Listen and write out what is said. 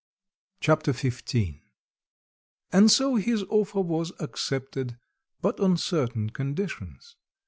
Chapter XV And so his offer was accepted, but on certain conditions.